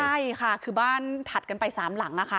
ใช่ค่ะคือบ้านถัดกันไป๓หลัง